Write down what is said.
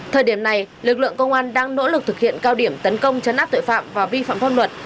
thời điểm này lực lượng công an đang nỗ lực thực hiện cao điểm tấn công chấn áp tội phạm và vi phạm pháp luật